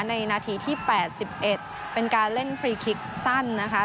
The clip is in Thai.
นาทีที่๘๑เป็นการเล่นฟรีคลิกสั้นนะคะ